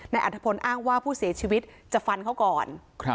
อัฐพลอ้างว่าผู้เสียชีวิตจะฟันเขาก่อน